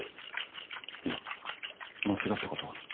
いや間違ったことは。